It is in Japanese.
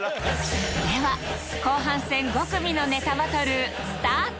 では後半戦５組のネタバトルスタート！